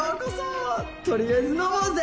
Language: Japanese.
取りあえず飲もうぜ！